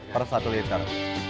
per satu liter